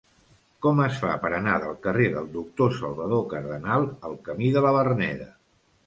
Com es fa per anar del carrer del Doctor Salvador Cardenal al camí de la Verneda?